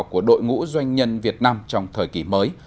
của đội ngũ doanh nhân việt nam trong thời kỳ mới